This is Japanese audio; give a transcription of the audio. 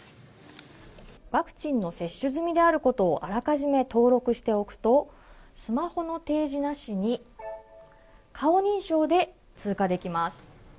ワクチンの接種済みであることをあらかじめ登録しておくとスマホの提示なしに顔認証で通過できます。